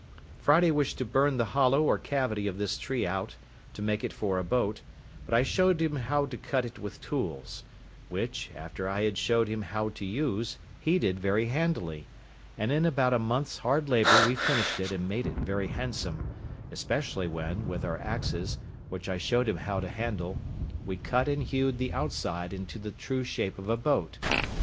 Friday wished to burn the hollow or cavity of this tree out, to make it for a boat, but I showed him how to cut it with tools; which, after I had showed him how to use, he did very handily; and in about a month's hard labour we finished it and made it very handsome; especially when, with our axes, which I showed him how to handle, we cut and hewed the outside into the true shape of a boat.